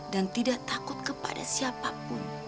tidak takut kepada siapapun